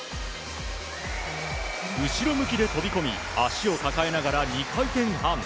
後ろ向きで飛び込み脚を抱えながら２回転半。